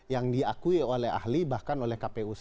yang diakui oleh ahli bahkan oleh kpu